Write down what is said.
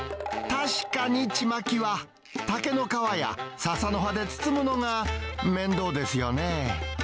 確かにちまきは、竹の皮や、ササの葉で包むのが面倒ですよね。